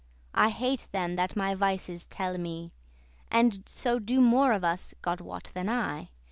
I hate them that my vices telle me, And so do more of us (God wot) than I.